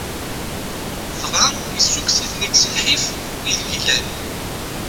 Dɣa yessukkes-iten-id si lḥif ideg llan.